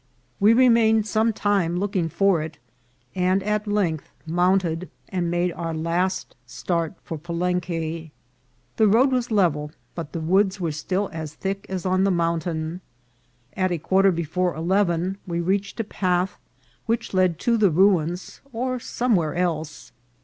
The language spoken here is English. We re mained some time looking for it, and at length mount ed and made our last start for Palenque. The road was level, but the woods were still as thick as on the mount ain. At a quarter before eleven we reached a path which led to the ruins, or somewhere else.